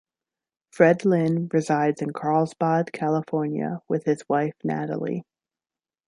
Fred Lynn resides in Carlsbad, California with his wife, Natalie.